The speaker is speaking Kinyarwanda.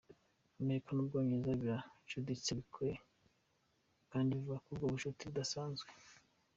Amerika n'Ubwongereza biracuditse bikoye kandi bivuga ko ubwo bucuti "budasanzwe".